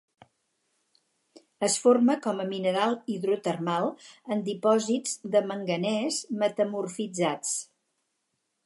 Es forma com a mineral hidrotermal en dipòsits de manganès metamorfitzats.